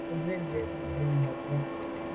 Bin lo zin mebwô.